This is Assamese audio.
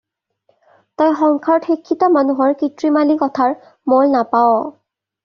তই সংসাৰত শিক্ষিত মানুহৰ কৃত্ৰিমালি কথাৰ মোল নাপাৱ।